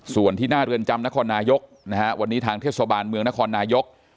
ส่วนที่หน้าเรือนจำนครนายกนะฮะวันนี้ทางเทศบาลเมืองนครนายก